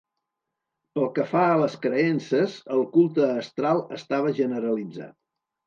Pel que fa a les creences, el culte astral estava generalitzat.